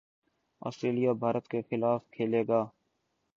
Australia Bharat کے خلاف کھیلے گا